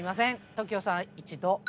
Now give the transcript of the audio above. ＴＯＫＩＯさん一度。